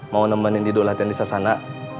mau nemenin di dolatin di sasana